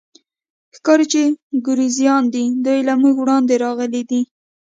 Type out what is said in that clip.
ښکاري، چې د ګوریزیا دي، دوی له موږ وړاندې راغلي دي.